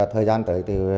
thời gian tới